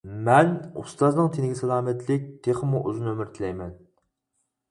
مەن ئۇستازنىڭ تېنىگە سالامەتلىك، تېخىمۇ ئۇزۇن ئۆمۈر تىلەيمەن.